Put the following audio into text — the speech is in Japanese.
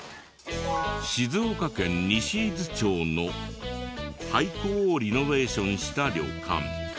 静岡県西伊豆町の廃校をリノベーションした旅館。